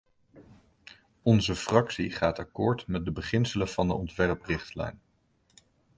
Onze fractie gaat akkoord met de beginselen van de ontwerprichtlijn.